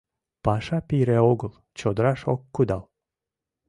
Паша пире огыл, чодыраш ок кудал.